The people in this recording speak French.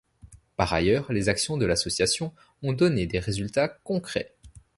Par ailleurs, les actions de l’association ont donné des résultats concrets.